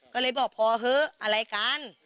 ก็เลยบอกพอเถอะอะไรกัน